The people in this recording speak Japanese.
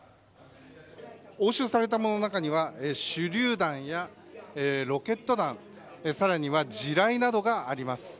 押収されたものの中には手りゅう弾やロケット弾さらには地雷などがあります。